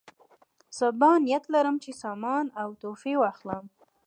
صبا نیت لرم چې سامان او تحفې واخلم.